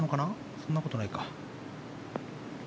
そんなことないか。